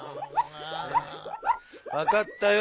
わかったよ。